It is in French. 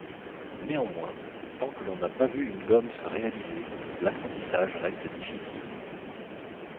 Néanmoins, tant que l'on n'a pas vu une gomme se réaliser, l'apprentissage reste difficile.